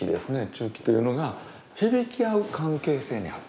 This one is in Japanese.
鍮器というのが響き合う関係性にあると。